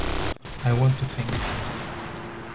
I want to think.